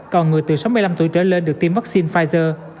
còn người từ một mươi tám tuổi trở lên được tiêm vaccine pfizer